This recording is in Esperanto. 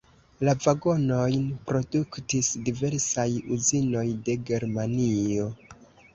La vagonojn produktis diversaj uzinoj de Germanio.